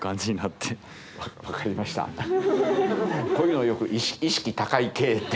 こういうのよく意識高い系って。